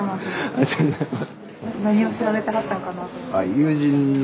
ありがとうございます。